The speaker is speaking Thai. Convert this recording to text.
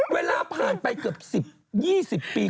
เวลาผ่านไปเกือบ๑๐๒๐ปี